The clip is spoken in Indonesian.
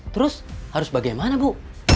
terus harus bagaimana bu